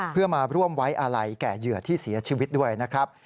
เพื่อมาร่วมไว้อาลัยแก่เหยื่อที่เสียชีวิตด้วยนะครับ